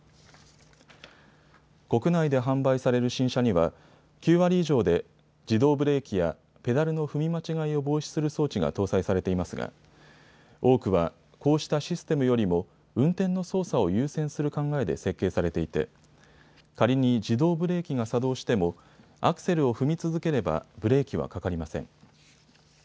国内で販売される新車には９割以上で自動ブレーキやペダルの踏み間違いを防止する装置が搭載されていますが多くは、こうしたシステムよりも運転の操作を優先する考えで設計されていて仮に自動ブレーキが作動してもアクセルを踏み続ければブレーキはかかりません。